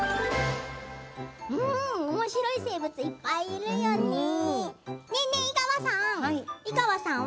おもしろい生物、いっぱいいるよね。